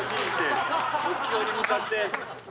目標に向かって。